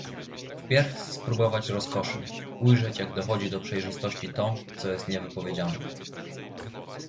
"Wpierw spróbować rozkoszy: ujrzeć jak dochodzi do przejrzystości to, co jest nie wypowiedziane."